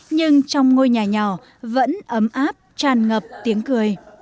nhưng trong ngôi nhà nhỏ vẫn ấm áp tràn ngập tiếng cười